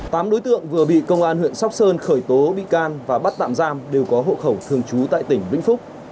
tám đối tượng vừa bị công an huyện sóc sơn khởi tố bị can và bắt tạm giam đều có hộ khẩu thường trú tại tỉnh vĩnh phúc